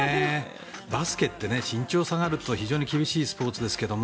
バスケって身長差があると非常に厳しいスポーツですけど